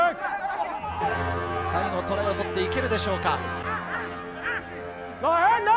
最後トライを取っていけるでしょうか？